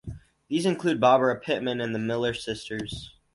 These include Barbara Pittman and the Miller Sisters.